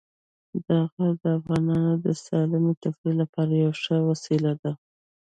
دا غر د افغانانو د سالمې تفریح لپاره یوه ښه وسیله ده.